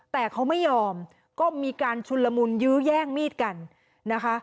แต่เขาไม่ยอมก็มีการชุนละมุนยื้อแย่งมีดกันนะคะ